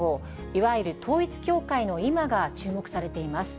いわゆる統一教会の今が注目されています。